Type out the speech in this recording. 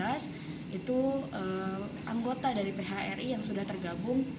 tahun dua ribu sembilan belas itu anggota dari phri yang sudah tergabung